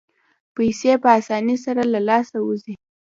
پیسې په اسانۍ سره له لاسه وځي.